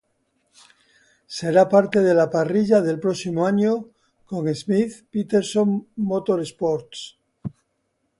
Será parte de la parrilla del próximo año con Schmidt Peterson Motorsports.